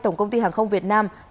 tổng công ty hàng không việt nam